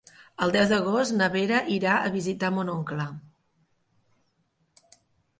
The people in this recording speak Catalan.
El deu d'agost na Vera irà a visitar mon oncle.